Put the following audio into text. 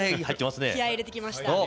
気合い入れてきました。